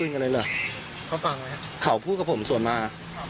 งั้นเขาคือกับผมศูนย์มา